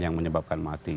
yang menyebabkan mati